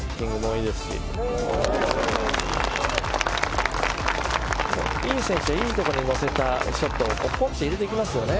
いい選手はいいところに乗せたショットがポンと入れてきますよね。